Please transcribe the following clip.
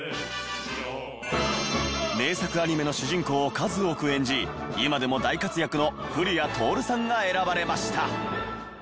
名作アニメの主人公を数多く演じ今でも大活躍の古谷徹さんが選ばれました。